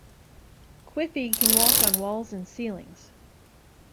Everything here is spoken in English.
Quiffy can walk on walls and ceilings.